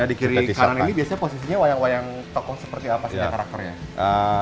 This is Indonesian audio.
nah di kiri kanan ini biasanya posisinya wayang wayang tokoh seperti apa sih karakternya